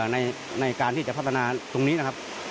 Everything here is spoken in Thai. ในการที่จะพัฒนาตรงนี้นะครับ